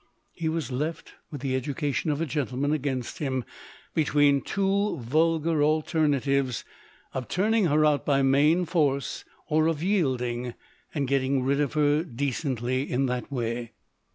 He was left with the education of a gentleman against him between the two vulgar alternatives of turning her out by main force, or of yielding, and getting rid of her decently in that way.